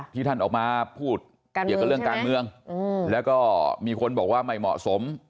ที่ออกมาพูดการเมืองแล้วก็มีคนบอกว่าไม่เหมาะสม